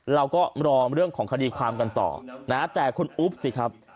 เราก็รอเรื่องของคดีความกันต่อนะฮะแต่คุณอุ๊บสิครับ